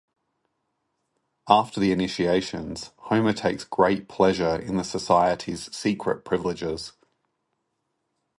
After the initiations, Homer takes great pleasure in the society's secret privileges.